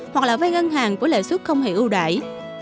hoặc là vay ngân hàng với lệ xuất không hề ưu đại